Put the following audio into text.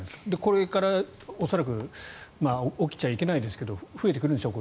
これから恐らく起きちゃいけないですけど増えてくるでしょう